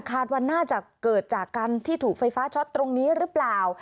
คาดว่าน่าจะเกิดจากการที่ถูกไฟฟ้าช็อตตรงนี้หรือเปล่า